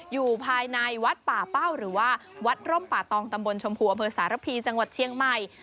อยู่ภายในวัดป่าเป้าหรือว่าวัดร่มป่าตองตำบลชมพูอำเภอสารพีจังหวัดเชียงใหม่